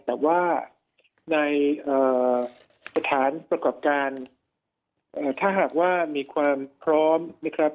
แต่ว่าในสถานประกอบการถ้าหากว่ามีความพร้อมนะครับ